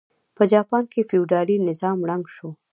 په جاپان کې فیوډالي نظام ړنګ شو.